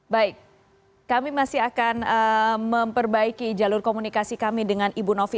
baik kami masih akan memperbaiki jalur komunikasi kami dengan ibu novi